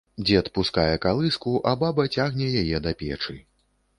Дзед пускае калыску, а баба цягне яе да печы.